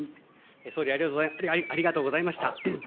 総理、ありがとうございました。